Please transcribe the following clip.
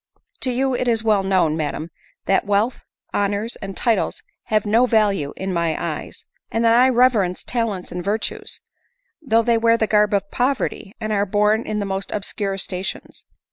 " To you it is well known, madam, that wealth, hon ors, and titles have no value in my eyes; and that I reverence talents and virtues, though they wear the garb of poverty, and are born in the most obscure sta tions.